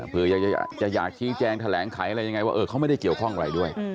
เพื่อจะอยากชี้แจงแถลงไขอะไรยังไงว่าเขาไม่ได้เกี่ยวข้องอะไรด้วย